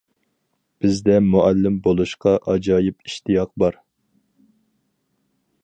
بىزدە مۇئەللىم بولۇشقا ئاجايىپ ئىشتىياق بار!